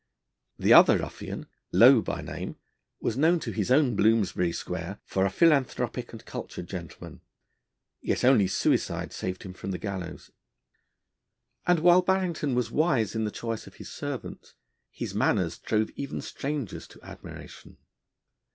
The other ruffian, Lowe by name, was known to his own Bloomsbury Square for a philanthropic and cultured gentleman, yet only suicide saved him from the gallows. And while Barrington was wise in the choice of his servants, his manners drove even strangers to admiration.